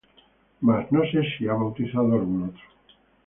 mas no sé si he bautizado algún otro.